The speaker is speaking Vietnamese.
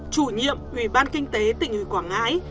chủ nhiệm huyện ban kinh tế tỉnh huyện quảng ngãi